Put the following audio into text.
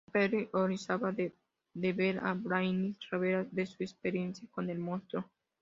Supergirl, horrorizada de ver a Brainiac, revela de su experiencia con el monstruo.